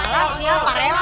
wah siapa rt